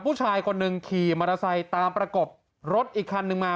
ผู้ชายคนหนึ่งขี่มอเตอร์ไซค์ตามประกบรถอีกคันนึงมา